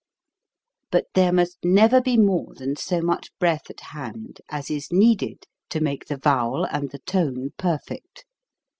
But there must be never more than so much breath at hand as is needed to make the vowel and the tone perfect.